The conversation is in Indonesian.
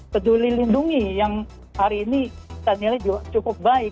peduli lindungi yang hari ini kita nilai juga cukup baik